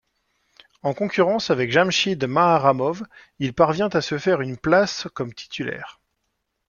En concurrence avec Jamshid Maharramov, il parvient à se faire une place comme titulaire.